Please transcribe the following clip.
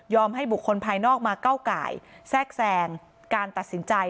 ให้บุคคลภายนอกมาก้าวไก่แทรกแซงการตัดสินใจ